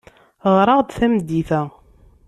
Ɣer-aɣ-d tameddit-a.